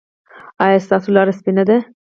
ایا ستاسو لاره سپینه ده؟